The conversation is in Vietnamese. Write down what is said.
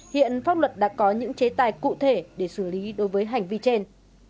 hiện pháp luật đã có những chế tài cụ thể để xử lý đối với hành vi trên